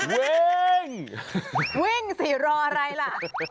เว้งเว้งสิรออะไรล่ะ